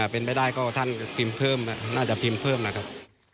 เป็นไปได้ก็ท่านพิมพ์เพิ่มน่าจะพิมพ์เพิ่มนะครับ